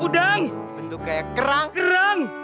dibentuk kayak kerang